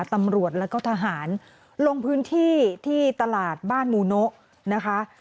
ตำรวจแล้วก็ทหารลงพื้นที่ที่ตลาดบ้านมูโนะนะคะ